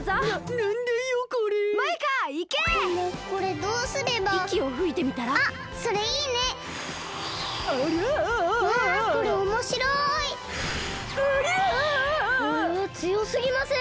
これはつよすぎません？